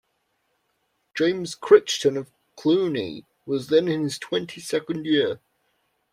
James Crichton of Cluny was then in his twenty-second year.